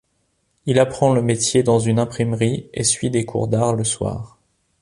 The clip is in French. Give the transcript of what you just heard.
Il apprend le métier dans une imprimerie et suit des cours d'arts le soir.